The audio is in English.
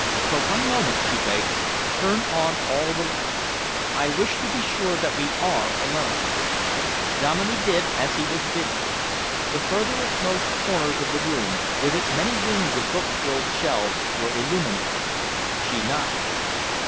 "For one moment," she begged, "turn on all the lights. I wish to be sure that we are alone." Dominey did as he was bidden. The furthermost corners of the room, with its many wings of book filled shelves, were illuminated. She nodded.